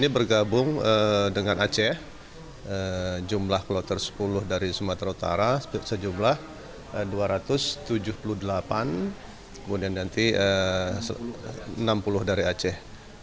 bergabung dengan enam puluh calon haji asal aceh